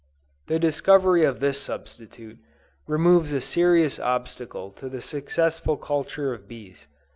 The discovery of this substitute, removes a serious obstacle to the successful culture of bees.